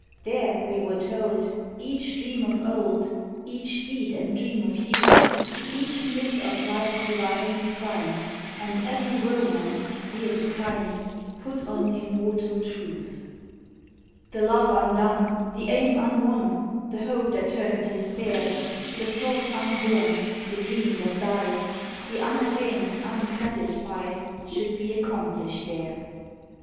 There, we were told, each dream of old, Each deed and dream of youth, Each myth of life's divinest prime, And every romance, dear to time, Put on immortal truth. The love undone, the aim unwon, The hope that turned despair; The thought unborn; the dream that died; The unattained, unsatisfied, Should be accomplished there.